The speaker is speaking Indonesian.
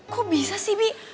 kok bisa sih bi